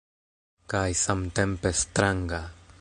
Kaj samtempe stranga.